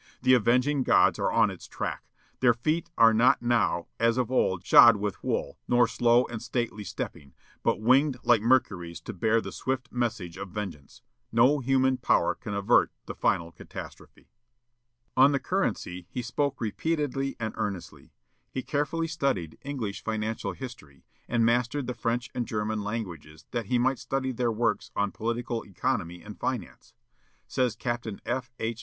The avenging gods are on its track. Their feet are not now, as of old, shod with wool, nor slow and stately stepping, but winged like Mercury's to bear the swift message of vengeance. No human power can avert the final catastrophe." On the currency he spoke repeatedly and earnestly. He carefully studied English financial history, and mastered the French and German languages that he might study their works on political economy and finance. Says Captain F. H.